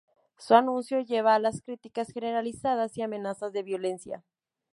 Su anuncio llevó a las críticas generalizadas y amenazas de violencia.